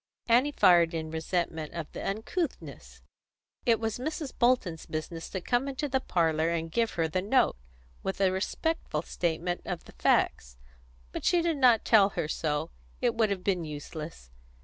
Annie fired in resentment of the uncouthness. It was Mrs. Bolton's business to come into the parlour and give her the note, with a respectful statement of the facts. But she did not tell her so; it would have been useless.